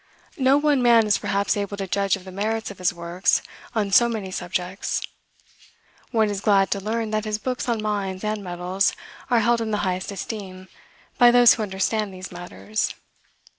No one man is perhaps able to judge of the merits of his works on so many subjects. One is glad to learn that his books on mines and metals are held in the highest esteem by those who understand these matters.